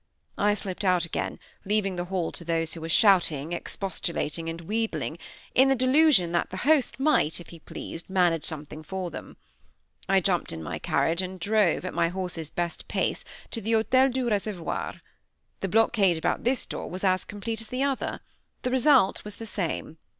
I slipped out again, leaving the hall to those who were shouting, expostulating, and wheedling, in the delusion that the host might, if he pleased, manage something for them. I jumped into my carriage and drove, at my horses' best pace, to the Hotel du Reservoir. The blockade about this door was as complete as the other. The result was the same.